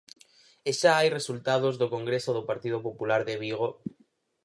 E xa hai resultados do congreso do Partido Popular de Vigo.